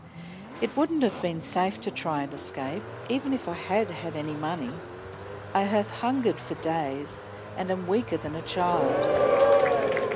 It wouldn't have been safe to try and escape, even if I had had any money. I have hungered for days, and I am weaker than a child."